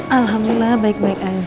alhamdulillah baik baik aja